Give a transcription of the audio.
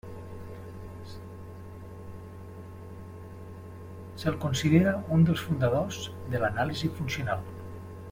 Se'l considera un dels fundadors de l'anàlisi funcional.